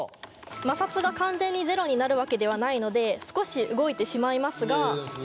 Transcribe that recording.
摩擦が完全にゼロになるわけではないので少し動いてしまいますが。